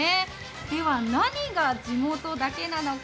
では、何が地元だけなのか。